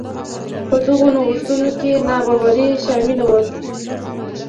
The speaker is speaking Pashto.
په دغو نوښتونو کې نابرابري شامل وو.